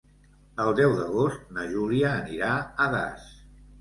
El deu d'agost na Júlia anirà a Das.